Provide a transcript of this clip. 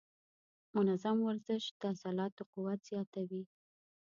منظم ورزش د عضلاتو قوت زیاتوي.